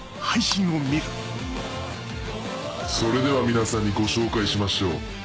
それでは皆さんにご紹介しましょう。